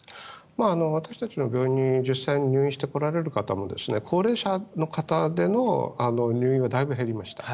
私たちの病院に実際に入院してこられる方も高齢者の方での入院はだいぶ減りました。